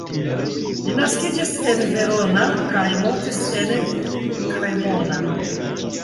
Li naskiĝis en Verona kaj mortis en Cremona.